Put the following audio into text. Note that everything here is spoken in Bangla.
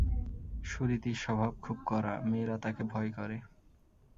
সুরীতির স্বভাব খুব কড়া, মেয়েরা তাকে ভয় করে।